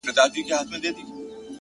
غنمرنگو کي سوالگري پيدا کيږي’